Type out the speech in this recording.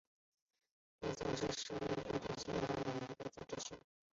阿灵索斯市是瑞典西部西约塔兰省的一个自治市。